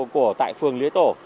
của tại phường lý tổ